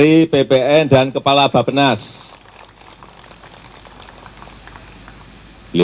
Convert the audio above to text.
ibu n heraus suhak soh romono arfa